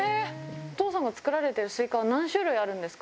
お父さんが作られてるすいかは何種類あるんですか。